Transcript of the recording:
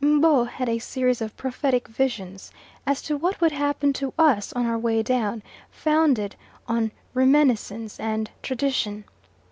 M'bo had a series of prophetic visions as to what would happen to us on our way down, founded on reminiscence and tradition.